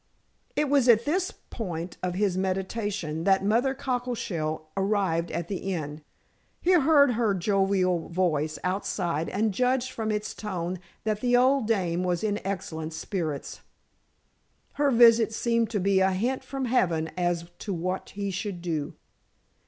It was at this point of his meditation that Mother Cockleshell arrived at the inn. He heard her jovial voice outside and judged from its tone that the old dame was in excellent spirits. Her visit seemed to be a hint from heaven as to what he should do.